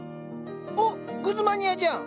おっグズマニアじゃん！